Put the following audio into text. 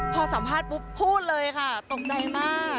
พอสัมภาษณ์ปุ๊บพูดเลยค่ะตกใจมาก